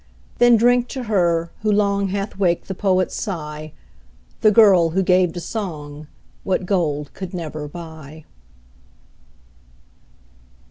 Then drink to her, who long Hath waked the poet's sigh, The girl, who gave to song What gold could never buy.